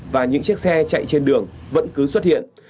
và những chiếc xe chạy trên đường vẫn cứ xuất hiện